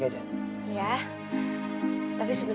di sini ada atur berempat